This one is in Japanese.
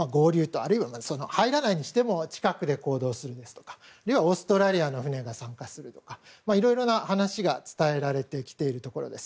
あるいは、入らないにしても近くで行動するですとかあるいはオーストラリアの船が参加するとかいろいろな話が伝えられてきているところです。